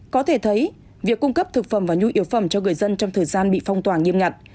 có thể thấy việc cung cấp thực phẩm và nhu yếu phẩm cho người dân trong thời gian bị phong tỏa nghiêm ngặt